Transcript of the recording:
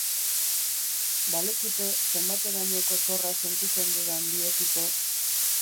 Balekite zenbaterainoko zorra sentitzen dudan biekiko.